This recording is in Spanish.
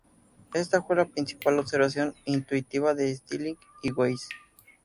Esta fue la principal observación intuitiva de Stiglitz y Weiss.